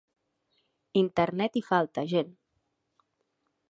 Internet hi falta gent.